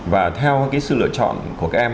và theo cái sự lựa chọn của các em